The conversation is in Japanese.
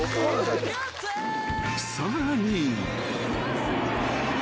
［さらに］